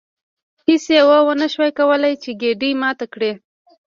هیڅ یوه ونشوای کولی چې ګېډۍ ماته کړي.